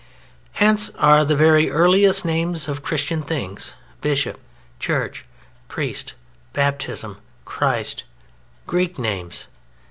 Hence are the very earliest names of Christian things, Bishop, Church, Priest, Baptism, Christ, Greek names.